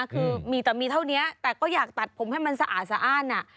คือมีแต่มีเท่านี้แต่ก็อยากตัดผมให้มันสะอาดสะอ้าน